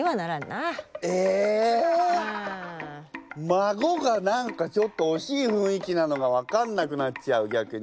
孫が何かちょっと惜しい雰囲気なのが分かんなくなっちゃう逆に。